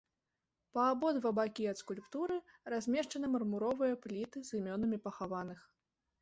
Па абодва бакі ад скульптуры размешчаны мармуровыя пліты з імёнамі пахаваных.